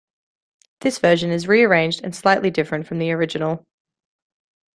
This version is rearranged and slightly different from the original.